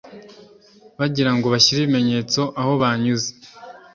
bagira ngo bashyire ibimenyetso aho banyuze